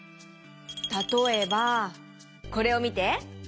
たとえばこれをみて。